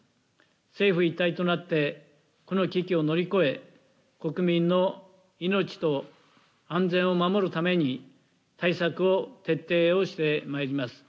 政府一体となってこの危機を乗り越え国民の命と安全を守るために対策を徹底してまいります。